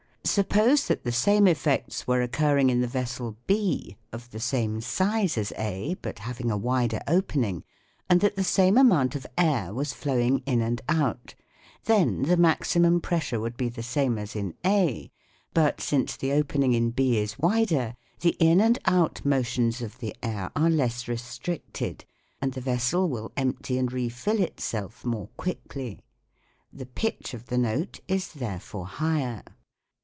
Suppose that the same effects were occurring in the vessel B of the same size as A but having a wider opening, and that the same FIG. 40. amount of air was flowing in and out, then the maximum pressure would be the same as in A ; but since the opening in B is wider the in and out motions of the air are less restricted and the vessel will empty and refill itself more quickly. The pitch of the i H iic is therefore higher.